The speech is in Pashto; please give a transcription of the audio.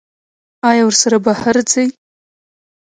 ایا ورسره بهر ځئ؟